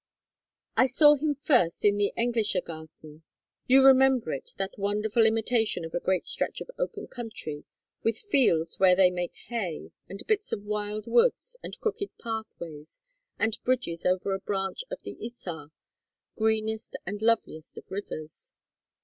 "I saw him first in the Englischergarten. You remember it, that wonderful imitation of a great stretch of open country, with fields where they make hay, and bits of wild woods, and crooked pathways, and bridges over a branch of the Isar, greenest and loveliest of rivers.